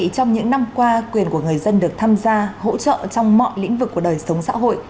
trong những năm qua quyền của người dân được tham gia hỗ trợ trong mọi lĩnh vực của đời sống xã hội